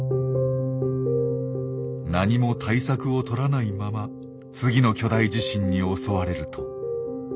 何も対策を取らないまま次の巨大地震に襲われると。